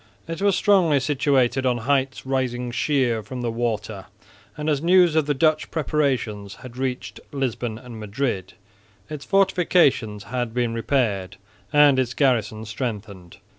It was strongly situated on heights rising sheer from the water; and, as news of the Dutch preparations had reached Lisbon and Madrid, its fortifications had been repaired and its garrison strengthened.